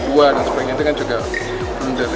dan sebagainya itu kan juga blunder